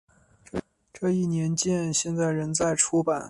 这一年鉴现在仍在出版。